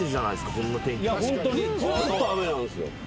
ホントにずっと雨なんすよ。